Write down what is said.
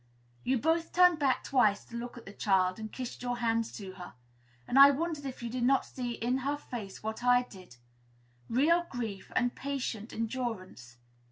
You both turned back twice to look at the child, and kissed your hands to her; and I wondered if you did not see in her face, what I did, real grief and patient endurance.